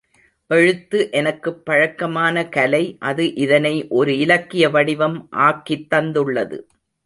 எழுத்து எனக்குப் பழக்கமான கலை அது இதனை ஒரு இலக்கிய வடிவம் ஆக்கித் தந்துள்ளது.